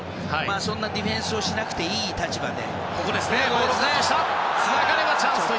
そんなディフェンスをしなくていい立場で。